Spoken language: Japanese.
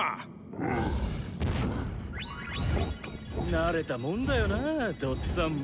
慣れたもんだよなドっつぁんも。